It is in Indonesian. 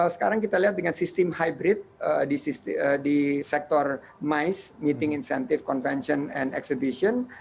sekarang kita lihat dengan sistem hybrid di sektor mice meeting incentive convention and exhibition